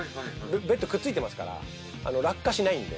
ベッドくっついてますから、落下しないんで。